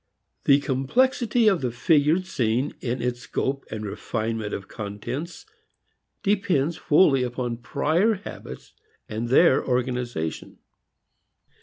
The complexity of the figured scene in its scope and refinement of contents depends wholly upon prior habits and their organization.